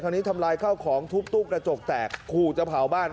นี้ทำลายข้าวของทุบตู้กระจกแตกขู่จะเผาบ้าน